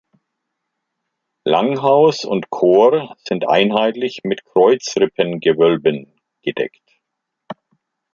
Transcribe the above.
Langhaus und Chor sind einheitlich mit Kreuzrippengewölben gedeckt.